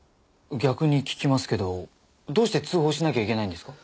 逆に聞きますけどどうして通報しなきゃいけないんですか？